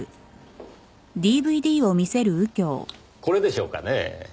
これでしょうかねぇ？